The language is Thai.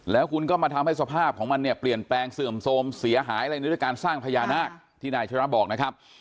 แล้วคุณก็มาทำให้สภาพของมันเนี่ยเปลี่ยนแปลงเสื่อมโทรมเสียหายอะไรด้วยการสร้างพญานาคที่นายชนะบอกนะครับ